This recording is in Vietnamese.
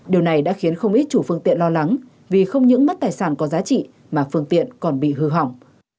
điều này đã khiến không ít chủ phương tiện lo lắng vì không những mất tài sản có giá trị mà phương tiện còn bị hư hỏng